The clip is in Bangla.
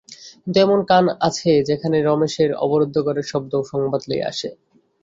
কিন্তু এমন কান আছে যেখানে রমেশের অবরুদ্ধ ঘরের শব্দও সংবাদ লইয়া আসে।